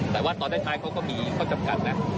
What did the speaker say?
แต่ว่าตอนด้านใต้เขาก็มีความจำกัดนะ